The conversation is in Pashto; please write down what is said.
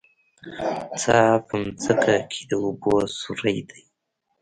څا په ځمکه کې د اوبو سوری دی